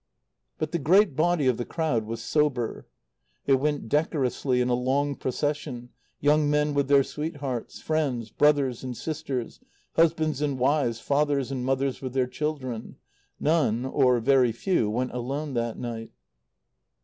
But the great body of the crowd was sober. It went decorously in a long procession, young men with their sweethearts, friends, brothers and sisters, husbands and wives, fathers and mothers with their children; none, or very few, went alone that night.